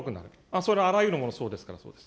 それはあらゆるものがそうですからそりゃそうです。